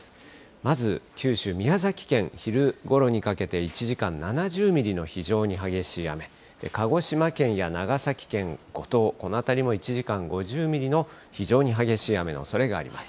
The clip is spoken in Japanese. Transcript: まず、九州・宮崎県、昼ごろにかけて、１時間７０ミリの非常に激しい雨、鹿児島県や長崎県五島、この辺りも１時間５０ミリの非常に激しい雨のおそれがあります。